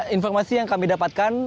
informasi yang kami dapatkan